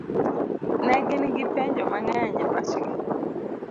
Ne gin gi penjo mang'eny e pachgi.